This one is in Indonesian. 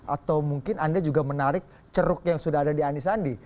atau mungkin anda juga menarik ceruk yang sudah ada di ani sandi